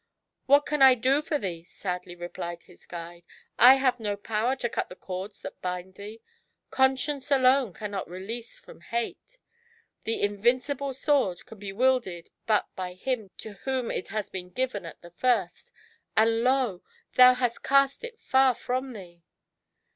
*'What can I do for thee," sadly replied his guide; " 1 have no power to cut the cords that bind thee; Con science alone cannot release from Hate. The invincible sword can be wielded but by him to whom it has be^n GIANT HATE. lOl given at the first — and lo ! thou hast cast it far from thee."